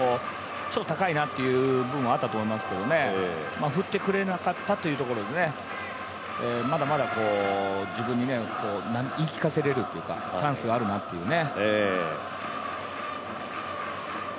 ちょっと高いなっていう部分もあったと思いますけど振ってくれなかったというところで、まだまだ自分に言い聞かせれるというかチャンスがあるなっていうね。